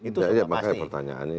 itu sudah pasti